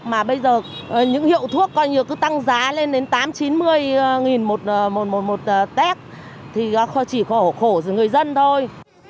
mà bây giờ những hiệu thuốc coi như cứ tăng giá lên đến tám mươi chín mươi đồng một tét thì chỉ khổ người dân thôi